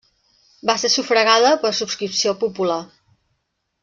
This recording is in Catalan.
Va ser sufragada per subscripció popular.